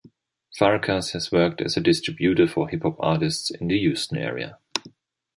Farkas has worked as a distributor for hip hop artists in the Houston area.